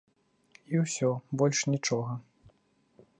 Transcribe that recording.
І ўсё, больш нічога.